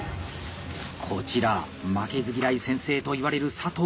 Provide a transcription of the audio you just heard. こちら「負けず嫌い先生」といわれる佐藤葵。